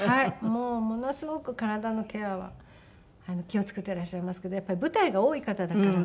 もうものすごく体のケアは気を付けてらっしゃいますけどやっぱり舞台が多い方だから。